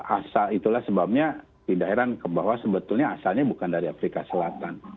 asal itulah sebabnya tidak heran bahwa sebetulnya asalnya bukan dari afrika selatan